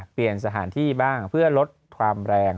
เปลี่ยนสถานที่บ้างเพื่อลดความแรง